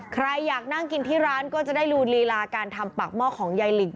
ใครอยากนั่งกินที่ร้านก็จะได้ดูลีลาการทำปากหม้อของยายลิง